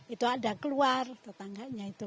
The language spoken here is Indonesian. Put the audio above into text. itu ada keluar tetangganya itu